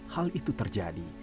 hal itu terjadi